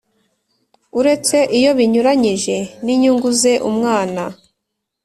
Uretse iyo binyuranyije n inyungu ze umwana